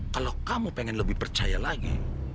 kalau kamu pengen lebih percaya lagi